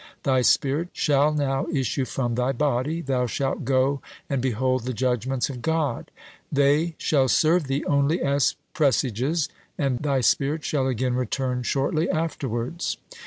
thy spirit shall now issue from thy body; thou shalt go and behold the judgments of God; they shall serve thee only as presages, and thy spirit shall again return shortly afterwards.'